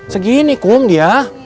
segini kum dia